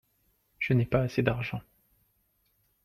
Je n'ai pas assez d'argent.